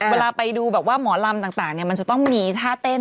เวลาไปดูแบบว่าหมอลำต่างมันจะต้องมีท่าเต้น